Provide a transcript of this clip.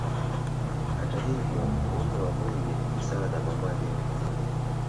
Hata hivyo muundo wa mwili ni sawa na mamalia wengine